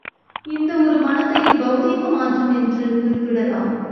இந்த ஒரு மனத்தை பெளதிக மாற்றம் என்று குறிப்பிடலாம்.